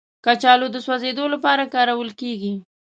کچالو د سوځیدو لپاره کارول کېږي